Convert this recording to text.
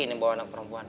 ini bawa anak perempuan